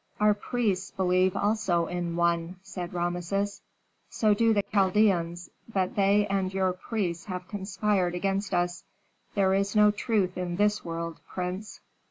"Our priests believe also in One," said Rameses. "So do the Chaldeans, but they and your priests have conspired against us. There is no truth in this world, prince."